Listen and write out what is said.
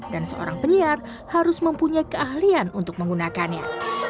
dan seorang penyiar harus mempunyai keahlian untuk menggunakannya